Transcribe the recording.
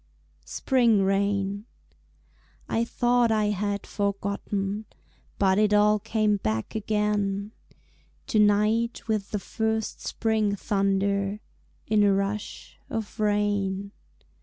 Spring Rain I thought I had forgotten, But it all came back again To night with the first spring thunder In a rush of rain.